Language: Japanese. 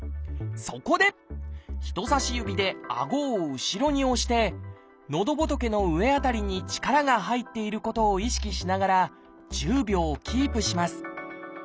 そこで人さし指であごを後ろに押してのどぼとけの上辺りに力が入っていることを意識しながら１０秒キープします。